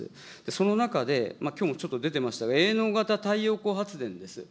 その中で、きょうもちょっと出てましたが、営農型太陽光発電です。